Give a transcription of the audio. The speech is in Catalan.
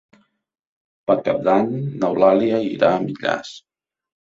Per Cap d'Any n'Eulàlia irà a Millars.